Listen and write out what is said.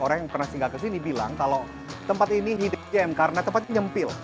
orang yang pernah singgah ke sini bilang kalau tempat ini hidup game karena tempatnya nyempil